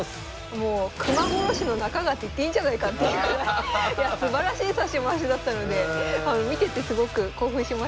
もうクマ殺しの中川って言っていいんじゃないかっていうくらいすばらしい指し回しだったので見ててすごく興奮しました。